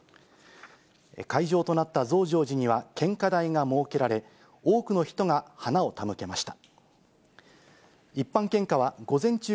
会場となった増上寺には、献花台が設けられ、多くの人が花を手向けました。